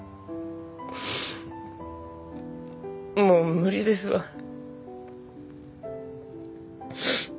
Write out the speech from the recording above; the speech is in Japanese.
もう無理ですわ。